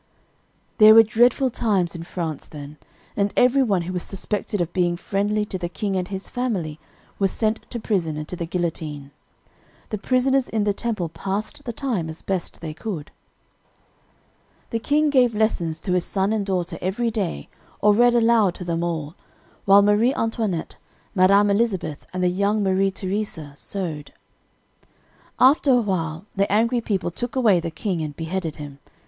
"There were dreadful times in France then, and every one who was suspected of being friendly to the king and his family was sent to prison and to the guillotine. The prisoners in the Temple passed the time as best they could. "The king gave lessons to his son and daughter every day, or read aloud to them all, while Marie Antoinette, Madame Elizabeth, and the young Marie Theresa sewed. [Illustration: Louis XVI and Family in the Temple Prison] "After awhile the angry people took away the king and beheaded him.